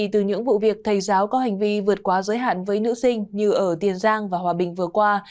từ những vụ việc thầy giáo có hành vi vượt quá giới hạn với nữ sinh như ở tiền giang và hòa bình vừa qua